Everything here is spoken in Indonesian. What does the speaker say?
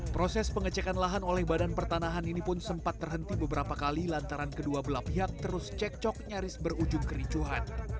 proses pengecekan lahan oleh badan pertanahan ini pun sempat terhenti beberapa kali lantaran kedua belah pihak terus cek cok nyaris berujung kericuhan